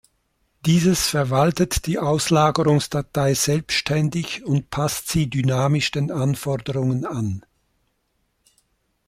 Dieses verwaltet die Auslagerungsdatei selbstständig und passt sie dynamisch den Anforderungen an.